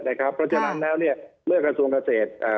เพราะฉะนั้นแล้วเมื่อกระทรวงกาเศษ